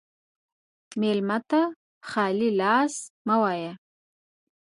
مېلمه ته خالي لاس مه وایه.